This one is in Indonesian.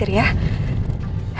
hari ini aku mau ke rumah